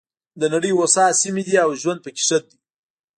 د نړۍ هوسا سیمې دي او ژوند پکې ښه دی.